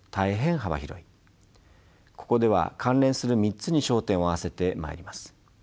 ここでは関連する３つに焦点を合わせてまいります。